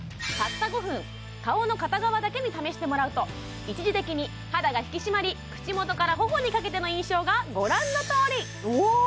たった５分顔の片側だけに試してもらうと一時的に肌が引き締まり口元から頬にかけての印象がご覧のとおりうわ！